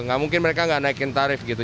nggak mungkin mereka nggak naikin tarif gitu